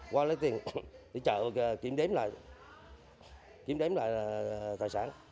qua lấy tiền đi chợ kiếm đếm lại kiếm đếm lại tài sản